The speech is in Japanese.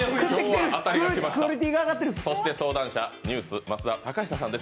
そして相談者、ＮＥＷＳ・増田貴久さんです。